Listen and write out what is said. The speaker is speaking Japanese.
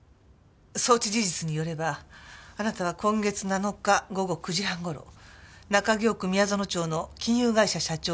送致事実によればあなたは今月７日午後９時半頃中京区宮園町の金融会社社長